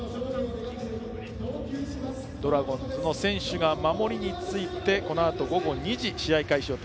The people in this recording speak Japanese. ドラゴンズの選手が守りについてこのあと午後２時試合開始予定。